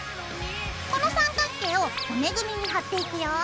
この三角形を骨組みに貼っていくよ。